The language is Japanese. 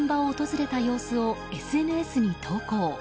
工事中の現場を訪れた様子をＳＮＳに投稿。